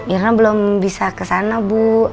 irna belum bisa ke sana bu